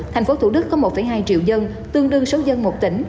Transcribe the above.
tp thủ đức có một hai triệu dân tương đương số dân một tỉnh